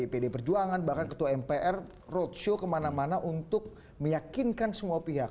pd perjuangan bahkan ketua mpr roadshow kemana mana untuk meyakinkan semua pihak